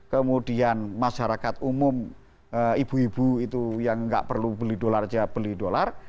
kemudian masyarakat umum ibu ibu itu yang nggak perlu beli dolar aja beli dolar